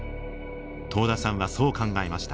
遠田さんはそう考えました。